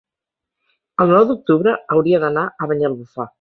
El nou d'octubre hauria d'anar a Banyalbufar.